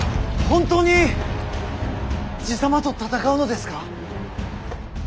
本当に爺様と戦うのですか？